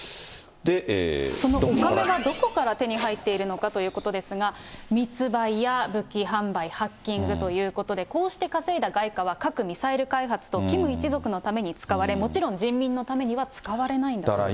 そのお金はどこから手に入っているのかということですが、密売や武器販売、ハッキングということで、こうして稼いだ外貨は、核・ミサイル開発とキム一族のために使われ、もちろん人民のためには使われないんだということです。